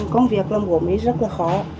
công việc làm gốm thì rất là khó